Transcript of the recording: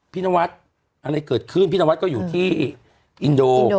นวัดอะไรเกิดขึ้นพี่นวัดก็อยู่ที่อินโด